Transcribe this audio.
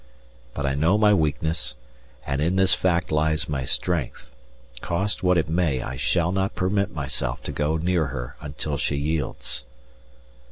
But I know my weakness, and in this fact lies my strength. Cost what it may, I shall not permit myself to go near her until she yields.